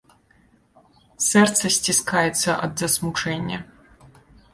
Сэрца сціскаецца ад засмучэння.